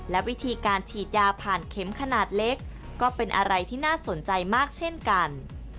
และวิธีการฉีดยาผ่านเข็มขนาดเล็กก็เป็นอะไรที่น่าสนใจมากเช่นกัน